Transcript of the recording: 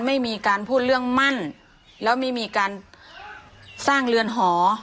ไม่มีการพูดเรื่องมั่นแล้วไม่มีการสร้างเรือนหอ